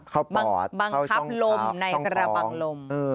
เข้าปอดเข้าช่องท้องบังคับลมในกระบังลม